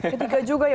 ketiga juga ya